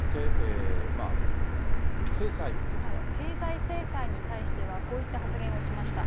経済制裁に対しては、こういった発言をしました。